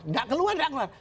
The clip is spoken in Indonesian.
tidak keluar tidak keluar